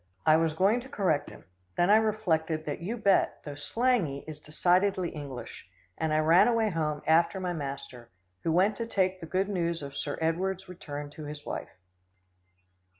I was going to correct him, then I reflected that "You bet" though slangy is decidedly English, and I ran away home after my master, who went to take the good news of Sir Edward's return to his wife.